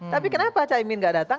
tapi kenapa caimin gak datang